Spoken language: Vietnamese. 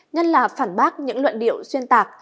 nhất là phản bác những luận điệu xuyên tạc